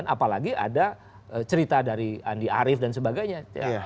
apalagi ada cerita dari andi arief dan sebagainya